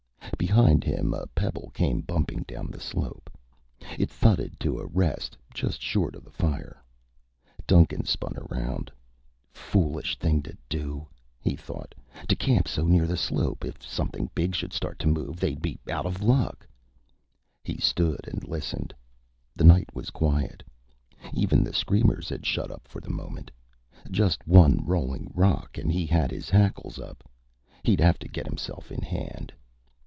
Behind him, a pebble came bumping down the slope. It thudded to a rest just short of the fire. Duncan spun around. Foolish thing to do, he thought, to camp so near the slope. If something big should start to move, they'd be out of luck. He stood and listened. The night was quiet. Even the screamers had shut up for the moment. Just one rolling rock and he had his hackles up. He'd have to get himself in hand.